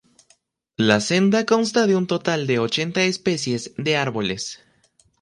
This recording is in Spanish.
La senda consta de un total de ochenta especies de árboles.